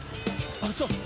あっそう。